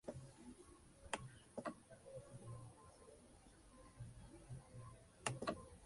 Música contrapuntística y fugas en tonalidades menores requieren generalmente muchos accidentes.